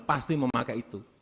pasti memakai itu